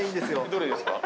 どれですか？